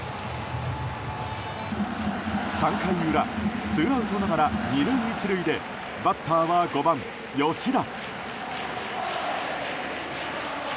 ３回裏、ツーアウトながら２塁１塁でバッターは５番、吉田。